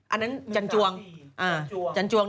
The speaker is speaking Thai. ๓๔อันนั้นจันทร์จวงจันทร์จวง๑๓๔